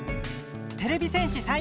てれび戦士さい